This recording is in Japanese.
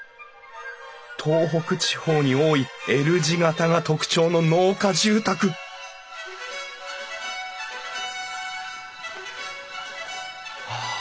東北地方に多いＬ字形が特徴の農家住宅はあ